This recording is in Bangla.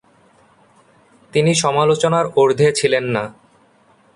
তিনি সমালোচনার ঊর্ধ্বে ছিলেন না।